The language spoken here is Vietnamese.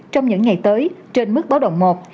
trong những ngày tới trên mức báo động một